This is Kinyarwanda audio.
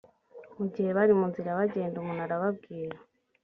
igihe bari mu nzira bagenda umuntu aramubwira